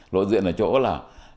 lộ diện ở chỗ là